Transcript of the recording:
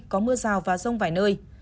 có mưa rào và rông vài nơi